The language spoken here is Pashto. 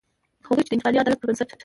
هغوی چې د انتقالي عدالت پر بنسټ.